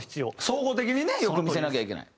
総合的にね良く見せなきゃいけない。